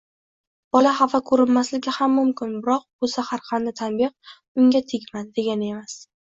Bola xafa ko‘rinmasligi ham mumkin, biroq bu zaharxanda tanbeh unga tegmadi, degani emas.